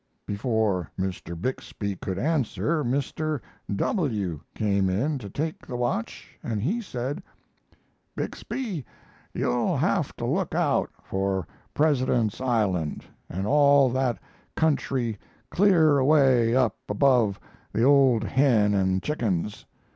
Before Mr. Bixby could answer, Mr. W. came in to take the watch, and he said: "Bixby, you'll have to look out for President's island, and all that country clear away up above the Old Hen and Chickens.